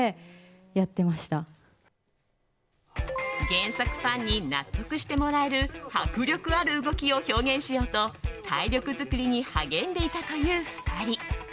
原作ファンに納得してもらえる迫力ある動きを表現しようと体力作りに励んでいたという２人。